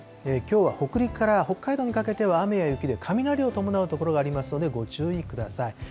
きょうは北陸から北海道にかけては雨や雪で、雷を伴う所がありますので、ご注意ください。